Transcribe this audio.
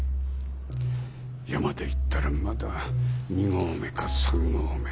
山で言ったらまだ２合目か３合目。